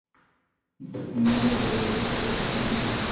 دردمنه او دردناکه يو شان نه دي.